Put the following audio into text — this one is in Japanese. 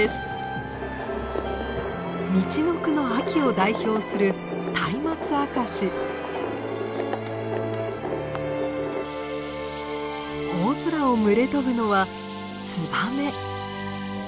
みちのくの秋を代表する大空を群れ飛ぶのはツバメ。